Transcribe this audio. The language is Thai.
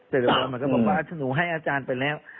แต่ละคนมันก็บอกว่าหนูให้อาจารย์ไปแล้ว